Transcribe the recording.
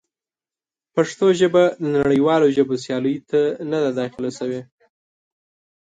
پښتو ژبه د نړیوالو ژبو سیالۍ ته نه ده داخله شوې.